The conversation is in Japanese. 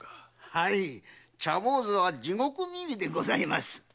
はい茶坊主は地獄耳でございます。